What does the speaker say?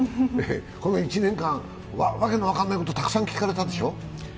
この１年間、訳の分からないことたくさん聞かれたでしょう？